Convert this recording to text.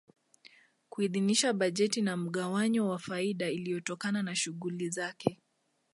Kuidhinisha bajeti na mgawanyo wa faida inayotokana na shughuli zake